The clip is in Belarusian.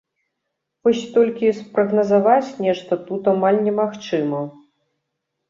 Вось толькі спрагназаваць нешта тут амаль немагчыма.